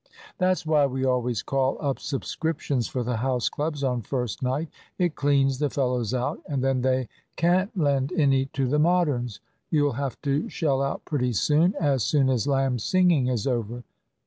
That's why we always call up subscriptions for the house clubs on first night. It cleans the fellows out, and then they can't lend any to the Moderns. You'll have to shell out pretty soon, as soon as Lamb's singing is over.